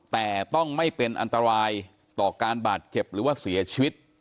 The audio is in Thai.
แต่ต้องไม่เป็นอันตรายต่อการบาดเจ็บหรือว่าเสียชีวิต